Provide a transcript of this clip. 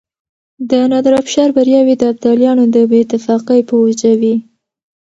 د نادرافشار برياوې د ابدالیانو د بې اتفاقۍ په وجه وې.